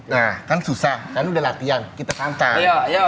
nah kan susah karena udah latihan kita kancah